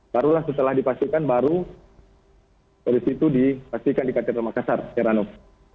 barulah setelah dipastikan baru dari situ dipastikan di kateri rumah makassar yeranok